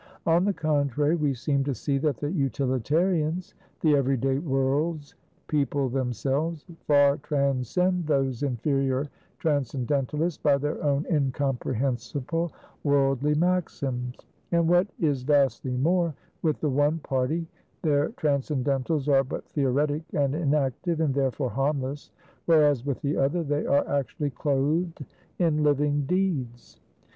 On the contrary, we seem to see that the Utilitarians, the every day world's people themselves, far transcend those inferior Transcendentalists by their own incomprehensible worldly maxims. And what is vastly more with the one party, their Transcendentals are but theoretic and inactive, and therefore harmless; whereas with the other, they are actually clothed in living deeds.